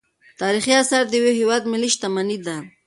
تاریخي اثار د یو هیواد ملي شتمني ده.